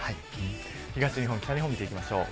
東日本北日本、見ていきましょう。